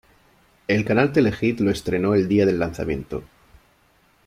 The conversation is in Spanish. El canal Telehit lo estreno el día del lanzamiento.